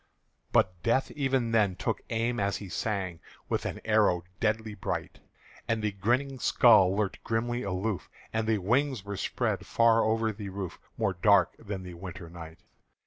But death even then took aim as he sang With an arrow deadly bright; And the grinning skull lurked grimly aloof, And the wings were spread far over the roof More dark than the winter night.